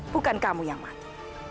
bukan kamu yang mati